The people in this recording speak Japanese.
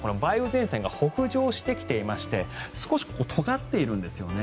前線が北上してきていまして少しとがっているんですね。